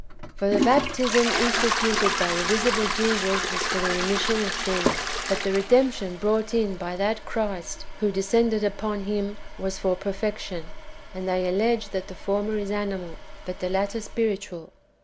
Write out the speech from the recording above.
For the baptism instituted by the visible Jesus was for the remission of sins, but the redemption brought in by that Christ who descended upon Him, was for perfection ; and they allege that the former is animal, but the latter spiritual.